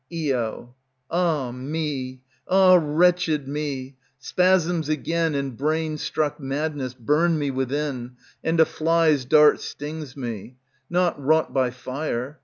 Io. Ah me! ah wretched me! Spasms again and brain struck Madness burn me within, and a fly's dart Stings me, not wrought by fire.